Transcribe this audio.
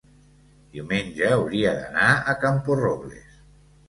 Diumenge hauria d'anar a Camporrobles.